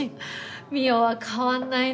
望緒は変わんないね。